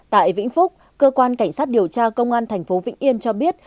tại vĩnh phúc cơ quan cảnh sát điều tra công an thành phố vĩnh yên cho biết